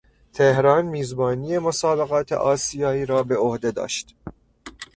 تهران میزبانی مسابقات آسیایی را به عهده داشت.